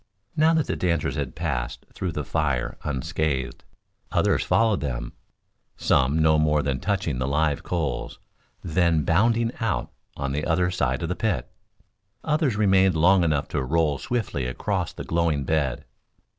Now that the dancers had passed through the fire unscathed, others followed them, some no more than touching the live coals, then bounding out on the other side of the pit; others remaining long enough to roll swiftly across the glowing bed.